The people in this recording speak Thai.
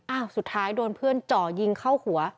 สุดท้ายโดนเพื่อนจ่อยิงเข้าหัว